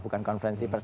bukan konferensi pers